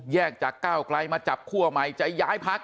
จากก้าวไกลมาจับคั่วใหม่จะย้ายพัก